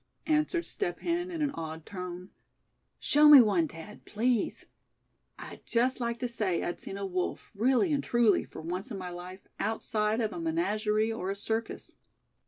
answered Step Hen, in an awed tone; "show me one, Thad, please. I'd just like to say I'd seen a wolf, really and truly, for once in my life, outside of a menagerie or a circus."